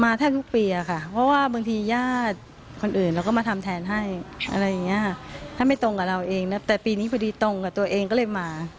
แทบทุกปีอะค่ะเพราะว่าบางทีญาติคนอื่นเราก็มาทำแทนให้อะไรอย่างนี้ถ้าไม่ตรงกับเราเองนะแต่ปีนี้พอดีตรงกับตัวเองก็เลยมา